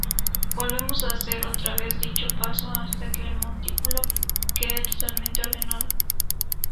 Volvemos a hacer otra vez dicho paso hasta que el montículo quede totalmente ordenado.